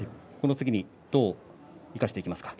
次にどう生かしていきますか。